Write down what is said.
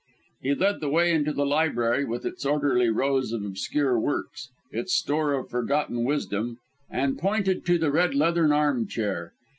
He led the way into the library with its orderly rows of obscure works, its store of forgotten wisdom, and pointed to the red leathern armchair.